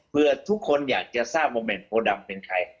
เพื่อทุกคนอยากจะทราบว่าแหม่มโพดำเป็นใคร